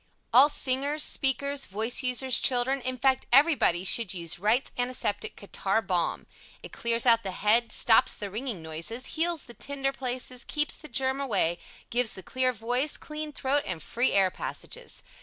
All Singers, Speakers, Voice users, Children, in fact everybody should use WRIGHT'S ANTISEPTIC CATARRH BALM. It clears out the head, stops the ringing noises, heals the tender places, keeps the germ away, gives the clear voice, clean throat, and free air passages.